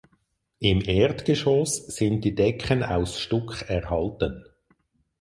Im Erdgeschoss sind die Decken aus Stuck erhalten.